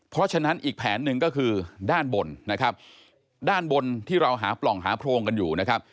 เพราะฉะนั้นอีกแผนหนึ่งก็คือด้านบนนะครับด้านบนที่เราหาปล่องหาโพรงกันอยู่นะครับ